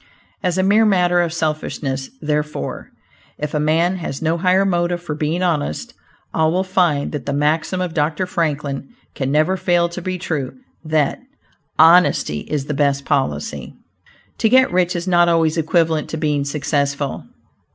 As a mere matter of selfishness, therefore, if a man had no higher motive for being honest, all will find that the maxim of Dr. Franklin can never fail to be true, that "honesty is the best policy." To get rich, is not always equivalent to being successful.